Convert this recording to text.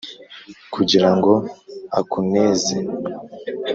Kugira ngo akuneze